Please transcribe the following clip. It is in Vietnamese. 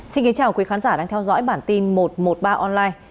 xin kính chào quý khán giả đang theo dõi bản tin một trăm một mươi ba online